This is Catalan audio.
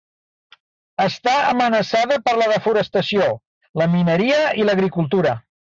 Està amenaçada per la desforestació, la mineria i l'agricultura.